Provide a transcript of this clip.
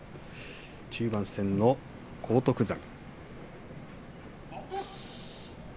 中盤戦の荒篤山。